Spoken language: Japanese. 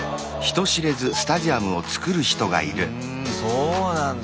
そうなんだ。